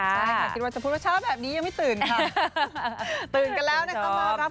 ใช่ค่ะคิดว่าจะพูดว่าเช้าแบบนี้ยังไม่ตื่นค่ะตื่นกันแล้วนะคะมารับ